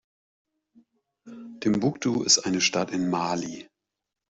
Timbuktu ist eine Stadt in Mali.